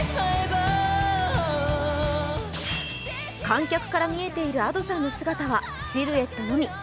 観客から見えているＡｄｏさんの姿はシルエットのみ。